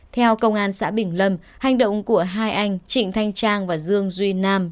theo công an xã bình lâm hành động của hai anh trịnh thanh trang và dương duy nam